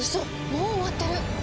もう終わってる！